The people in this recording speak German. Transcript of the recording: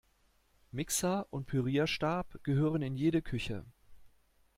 Mixer und Pürierstab gehören in jede Küche.